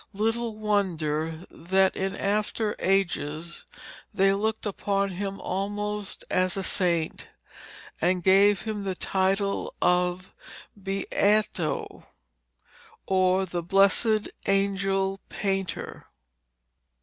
Little wonder that in after ages they looked upon him almost as a saint, and gave him the title of 'Beato,' or the blessed angel painter.